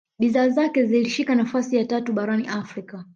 bidhaa zake zilishika nafasi ya tatu barani afrika